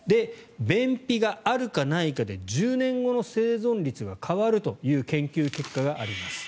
便秘があるかないかで１０年後の生存率が変わるという研究結果があります。